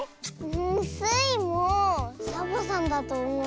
んスイもサボさんだとおもう。